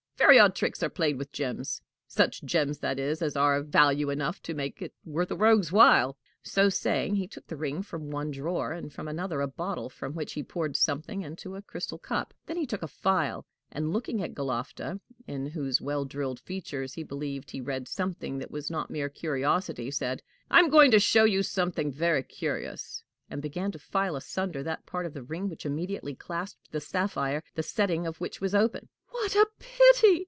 Very odd tricks are played with gems such gems, that is, as are of value enough to make it worth a rogue's while." So saying, he took the ring from one drawer, and from another a bottle, from which he poured something into a crystal cup. Then he took a file, and, looking at Galofta, in whose well drilled features he believed he read something that was not mere curiosity, said, "I am going to show you something very curious," and began to file asunder that part of the ring which immediately clasped the sapphire, the setting of which was open. "What a pity!"